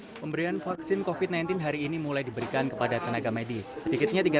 pemberian vaksin covid sembilan belas hari ini mulai diberikan kepada tenaga medis sedikitnya tiga